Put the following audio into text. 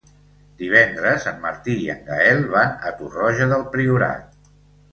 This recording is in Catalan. Divendres en Martí i en Gaël van a Torroja del Priorat.